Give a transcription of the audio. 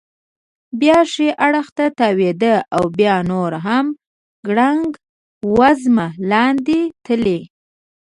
بیا ښي اړخ ته تاوېده او بیا نور هم ګړنګ وزمه لاندې تلی.